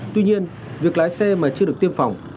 tuy nhiên việc lái xe mà chưa được tiêm phòng